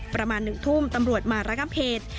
ประมาณหนึ่งทุ่มตำรวจมารักษ์ก้ำเขต